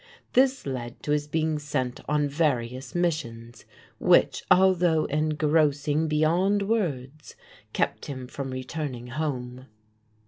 This led to his being sent on various missions, which, although engrossing be yond words, kept him from returning home.